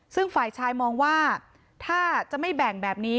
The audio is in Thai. ซึ่งฝ่ายชายมองว่าถ้าจะไม่แบ่งแบบนี้